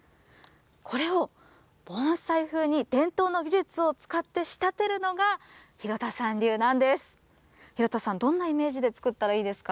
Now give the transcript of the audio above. これを盆栽風に伝統の技術を使って仕立てるのが、廣田さん流なんです。